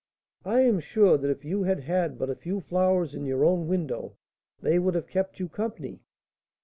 "I am sure that if you had had but a few flowers in your own window, they would have kept you company."